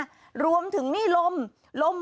ค่ะคือเมื่อวานี้ค่ะ